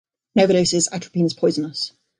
In overdoses, atropine is poisonous.